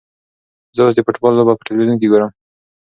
زه اوس د فوټبال لوبه په تلویزیون کې ګورم.